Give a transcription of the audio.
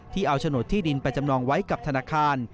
เอาโฉนดที่ดินไปจำนองไว้กับธนาคาร